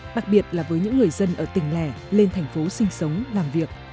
đặc biệt là với những người dân ở tỉnh lẻ lên thành phố sinh sống làm việc